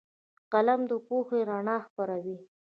قلم د پوهې رڼا خپروي